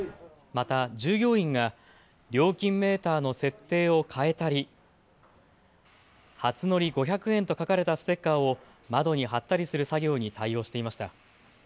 また従業員が料金メーターの設定を変えたり初乗５００円と書かれたステッカーを窓に貼ったりする作業に対応していました。